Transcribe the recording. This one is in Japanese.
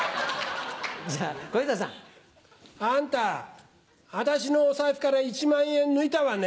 じゃあ小遊三さん。あんた私のお財布から１万円抜いたわね。